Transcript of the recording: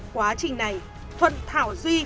quá trình này thuận thảo duy